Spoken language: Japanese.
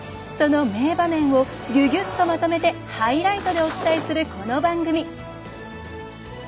その名場面をギュギュッとまとめてハイライトでお伝えするこの番組。